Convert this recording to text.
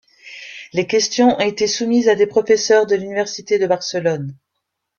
Les questions ont été soumises à des professeurs de l'Université de Barcelone.